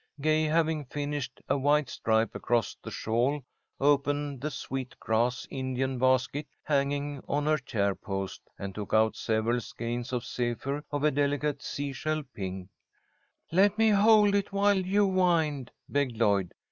Gay, having finished a white stripe across the shawl, opened the sweet grass Indian basket hanging on her chair post, and took out several skeins of zephyr of a delicate sea shell pink. "Let me hold it while you wind," begged Lloyd.